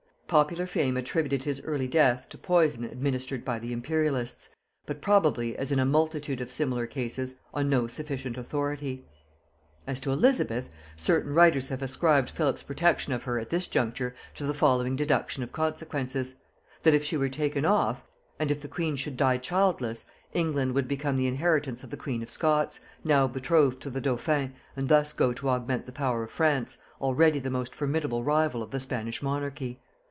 Popular fame attributed his early death to poison administered by the Imperialists, but probably, as in a multitude of similar cases, on no sufficient authority. As to Elizabeth, certain writers have ascribed Philip's protection of her at this juncture to the following deduction of consequences; that if she were taken off, and if the queen should die childless, England would become the inheritance of the queen of Scots, now betrothed to the dauphin, and thus go to augment the power of France, already the most formidable rival of the Spanish monarchy.